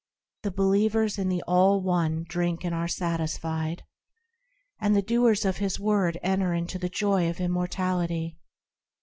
The believers in the All One drink and are satisfied. And the doers of His word enter into the joy of immortality.